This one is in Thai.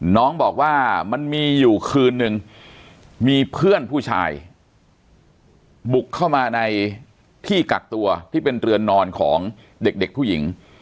น้องบอกว่ามันมีอยู่คืนนึงมีเพื่อนผู้ชายบุกเข้ามาในที่กักตัวที่เป็นเรือนนอนของเด็กผู้หญิง